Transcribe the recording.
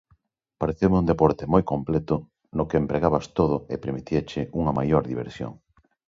Pareceume un deporte moi completo no que empregabas todo e permitíache unha maior diversión.